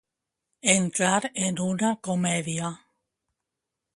Entrar en una comèdia.